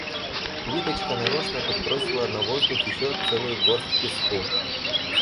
Лидочка нарочно подбросила на воздух ещё целую горсть песку.